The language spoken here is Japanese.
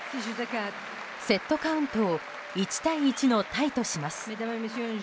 セットカウントを１ー１のタイとします。